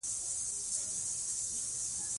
کوچني کاروبارونه د بې وزلۍ په کمولو کې مرسته کوي.